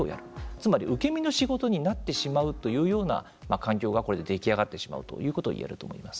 つまり、受け身の仕事になってしまうというような環境がこれで出来上がってしまうということが言えると思います。